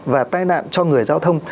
và tai nạn cho người giao thông